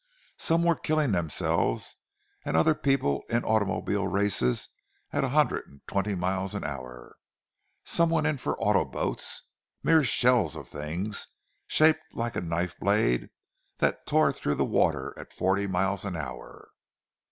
Some were killing themselves and other people in automobile races at a hundred and twenty miles an hour. Some went in for auto boats, mere shells of things, shaped like a knife blade, that tore through the water at forty miles an hour.